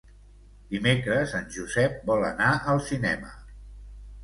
Dimecres en Josep vol anar al cinema.